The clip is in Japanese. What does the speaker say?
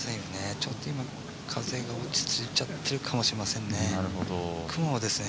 ちょっと風が落ち着いちゃってるかもしれないですね。